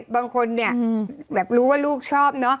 บางคนรู้ว่าลูกชอบ